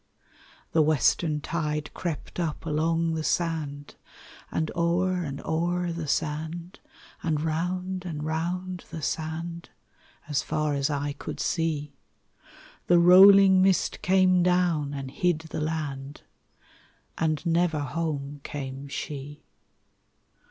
The western tide crept up along the sand, And o'er and o'er the sand, And round and round the sand, As far as eye could see. The rolling mist came down and hid the land; And never home came she.